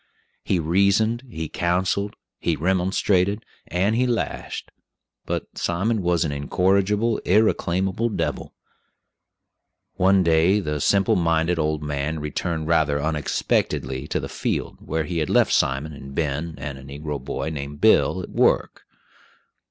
He reasoned, he counseled, he remonstrated, and he lashed; but Simon was an incorrigible, irreclaimable devil. One day the simple minded old man returned rather unexpectedly to the field, where he had left Simon and Ben and a negro boy named Bill at work.